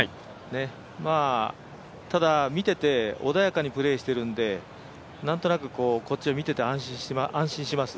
ただ見てて穏やかにプレーしているんで、なんとなく、こっち、見てて、安心します。